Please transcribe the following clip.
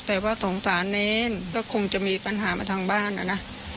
แต่ว่าสงสารเนรก็คงจะมีปัญหามาทางบ้านอ่ะนะ